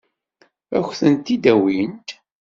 Ad k-tent-id-awint?